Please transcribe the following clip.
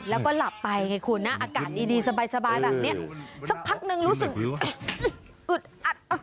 แล้วก็หลับไปไงคุณนะอากาศดีสบายแบบนี้สักพักนึงรู้สึกอึดอัด